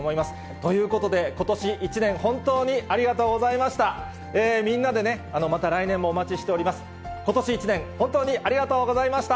ということで、ことし一年、本当にありがとうございました。